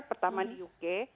pertama di uk